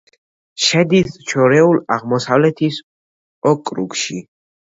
შედის შორეულ აღმოსავლეთის ოკრუგში.